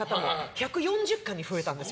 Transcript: １４０館に増えたんです